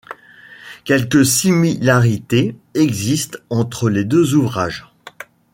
Quelques similarités existent entre les deux ouvrages.